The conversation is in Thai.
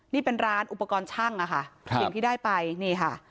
นี่เป็นร้านอุปกรณ์ช่างอะค่ะสิ่งที่ได้ไปนี่ค่ะ